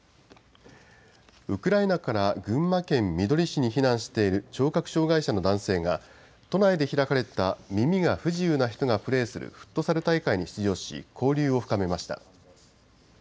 ウクライナから群馬県みどり市に避難している聴覚障害者の男性が、都内で開かれた耳が不自由な人がプレーするフットサル大会に出場し、交流を深めました。